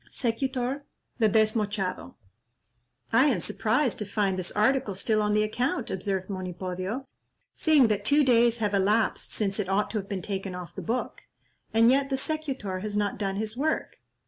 Secutor, the Desmochado." "I am surprised to find this article still on the account," observed Monipodio, "seeing that two days have elapsed since it ought to have been taken off the book; and yet the secutor has not done his work.